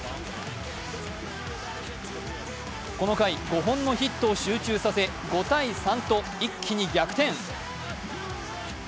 この回、５本のヒットを集中させ５−３と一気に逆転。